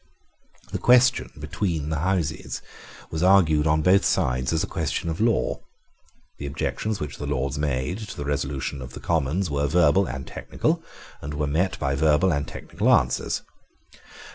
The question between the Houses was argued on both sides as a question of law. The objections which the Lords made, to the resolution of the Commons were verbal and technical, and were met by verbal and technical answers.